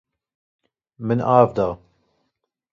Min av da.